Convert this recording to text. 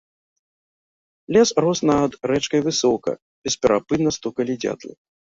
Лес рос над рэчкай высока, бесперапынна стукалі дзятлы.